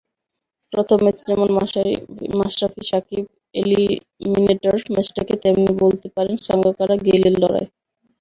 প্রথম ম্যাচে যেমন মাশরাফি-সাকিব, এলিমিনেটর ম্যাচটাকে তেমনি বলতে পারেন সাঙ্গাকারা-গেইলের লড়াই।